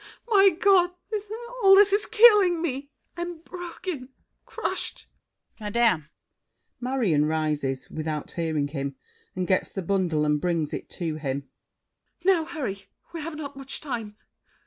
My God! All this is killing me! I'm broken—crushed. DIDIER. Madame— MARION (rises, without hearing him, and gets the bundle and brings it to him). Now hurry! We have not much time!